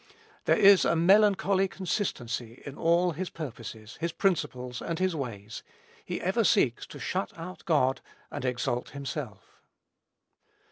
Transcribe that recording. There is a melancholy consistency in all his purposes, his principles, and his ways; he ever seeks to shut out God and exalt himself.